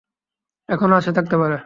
এখনও আশা থাকতে পারে।